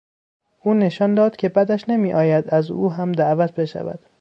او نشان داد که بدش نمیآید از او هم دعوت بشود.